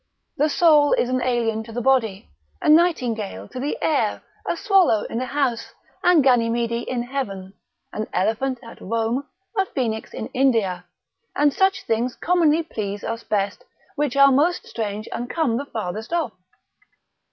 The soul is an alien to the body, a nightingale to the air, a swallow in a house, and Ganymede in heaven, an elephant at Rome, a Phoenix in India; and such things commonly please us best, which are most strange and come the farthest off.